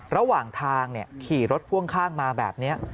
ระหว่างทางขี่รถพ่วงข้างมาแบบนี้